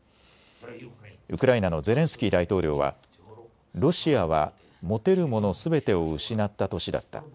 ウクライナのゼレンスキー大統領は、ロシアは持てるものすべてを失った年だった。